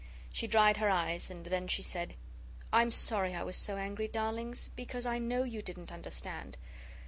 She dried her eyes and then she said: "I'm sorry I was so angry, darlings, because I know you didn't understand."